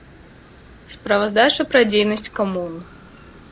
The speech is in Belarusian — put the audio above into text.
Справаздача пра дзейнасць камун.